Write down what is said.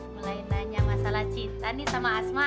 mulai nanya masalah cinta nih sama asma